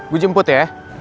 gue jemput ya